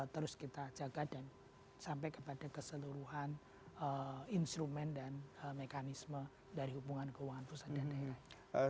terus kita jaga dan sampai kepada keseluruhan instrumen dan mekanisme dari hubungan keuangan pusat dan daerah